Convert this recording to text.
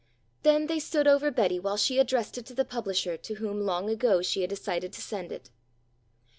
Then they stood over Betty while she addressed it to the publisher to whom long ago she had decided to send it.